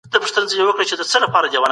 کمپيوټر کاغذ کم مصرفوي.